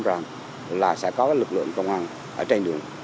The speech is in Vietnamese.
rằng là sẽ có cái lực lượng công an ở trên đường